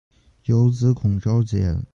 有子孔昭俭。